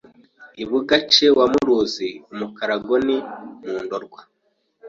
I bugace wa Muruzi umukarago ni mu Ndorwa